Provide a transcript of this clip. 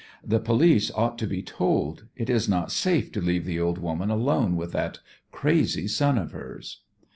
"The police ought to be told. It is not safe to leave the old woman alone with that crazy son of hers."